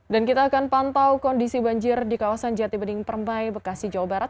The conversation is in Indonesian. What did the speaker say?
dan kita akan pantau kondisi banjir di kawasan jatibening permai bekasi jawa barat